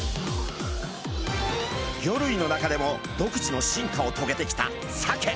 魚類の中でも独自の進化をとげてきたサケ。